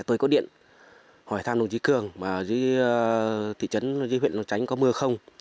tôi có điện hỏi thăm đồng chí cường mà ở dưới thị trấn dưới huyện tránh có mưa không